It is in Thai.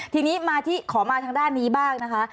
ทีนี้มาที่ขอมาทางด้านนี้บ้างนะคะ